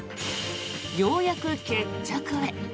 ようやく決着へ。